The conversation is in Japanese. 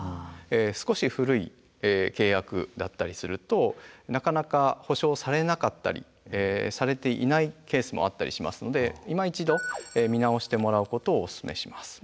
少し古い契約だったりするとなかなか補償されなかったりされていないケースもあったりしますのでいま一度見直してもらうことをオススメします。